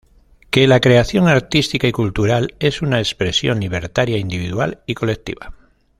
Que la creación artística y cultural es una expresión libertaria individual y colectiva.